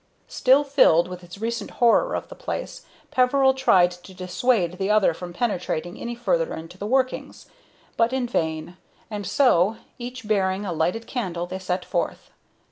Still filled with his recent horror of the place, Peveril tried to dissuade the other from penetrating any farther into the workings, but in vain; and so, each bearing a lighted candle, they set forth.